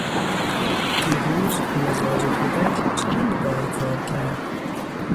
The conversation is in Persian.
دیروز مزاج کودک چند بار کار کرد؟